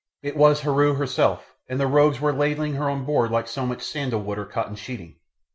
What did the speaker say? It was Heru herself, and the rogues were ladling her on board like so much sandal wood or cotton sheeting.